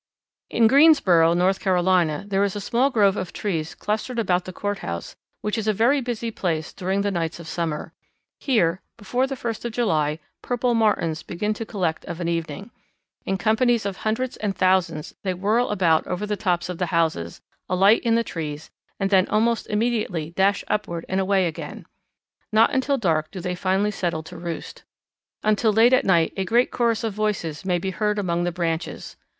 In Greensboro, North Carolina, there is a small grove of trees clustered about the courthouse which is a very busy place during the nights of summer. Here, before the first of July, Purple Martins begin to collect of an evening. In companies of hundreds and thousands, they whirl about over the tops of the houses, alight in the trees, and then almost immediately dash upward and away again. Not till dark do they finally settle to roost. Until late at night a great chorus of voices may be heard among the branches.